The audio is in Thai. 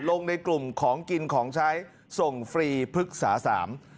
ในกลุ่มของกินของใช้ส่งฟรีพฤกษาสาม